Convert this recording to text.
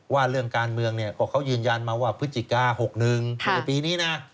ว่าเรื่องการเมืองเนี่ยก็เขายืนยันมาว่าพฤศจิกา๖๑ในปีนี้นะ